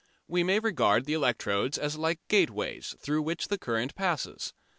We may regard the electrodes as like gateways through which the current passes.